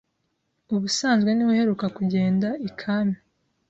Ubusanzwe niwe uheruka kugenda I Kami